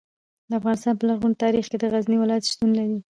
د افغانستان په لرغوني تاریخ کې د غزني ولایت شتون لري.